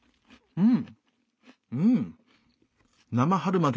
うん。